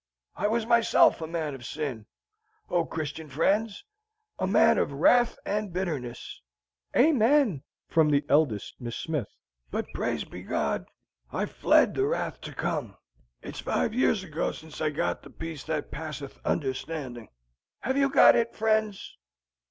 I was myself a man of sin, O Christian friends, a man of wrath and bitterness" ("Amen," from the eldest Miss Smith), "but praise be God, I've fled the wrath to come. It's five years ago since I got the peace that passeth understanding. Have you got it, friends?"